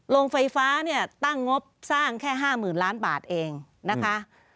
โรงไฟฟ้าเนี่ยตั้งงบสร้างแค่๕๐๐๐ล้านบาทเองนะคะ